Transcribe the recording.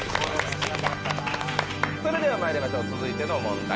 それではまいりましょう続いての問題